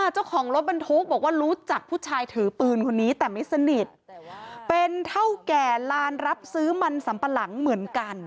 เจ้าของรถบรรทุกบอกว่ารู้จักผู้ชายถือปืนคนนี้แต่ไม่สนิทเป็นเท่าแก่ลานรับซื้อมันสัมปะหลังเหมือนกัน